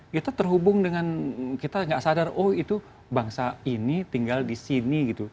kita terhubung dengan kita tidak sadar oh itu bangsa ini tinggal di sini gitu